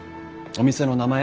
お店の名前